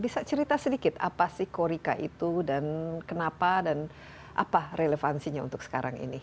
bisa cerita sedikit apa sih korika itu dan kenapa dan apa relevansinya untuk sekarang ini